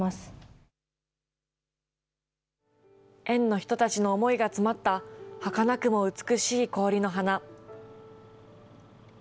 園の人たちの思いが詰まった、はかなくも美しい氷の花。